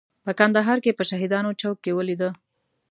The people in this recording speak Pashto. په کندهار کې په شهیدانو چوک کې ولیده.